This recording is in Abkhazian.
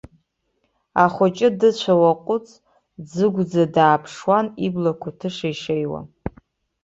Ахәыҷы дыцәа уаҟәыҵ, дӡыӷәӡа дааԥшуан, иблақәа ҭышеишеиуа.